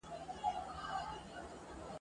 هغه بل دي جېب ته ګوري وايی ساندي ..